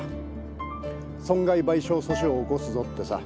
損害賠償訴訟を起こすぞってさ。